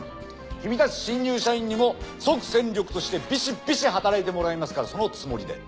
キミたち新入社員にも即戦力としてビシビシ働いてもらいますからそのつもりで！